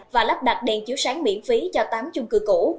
và lắp đặt đèn chiếu sáng miễn phí cho tám chung cư cũ